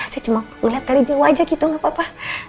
saya cuma melihat dari jiwa aja gitu gak apa apa